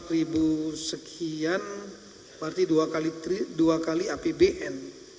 rp empat sekian berarti dua kali apbn